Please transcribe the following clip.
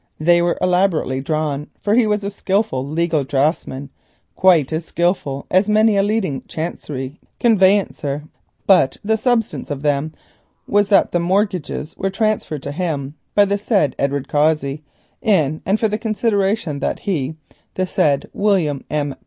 They were elaborately drawn, for he was a skilful legal draughtsman, quite as skilful as many a leading Chancery conveyancer, but the substance of them was that the mortgages were transferred to him by the said Edward Cossey in and for the consideration that he, the said William M.